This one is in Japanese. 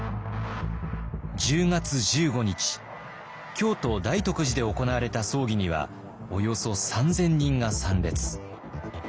京都・大徳寺で行われた葬儀にはおよそ３，０００人が参列。